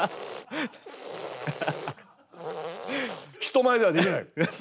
人前ではできない。